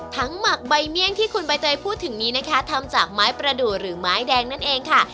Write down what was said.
หมักใบเมี่ยงที่คุณใบเตยพูดถึงนี้นะคะทำจากไม้ประดูกหรือไม้แดงนั่นเองค่ะ